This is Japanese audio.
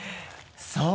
そう！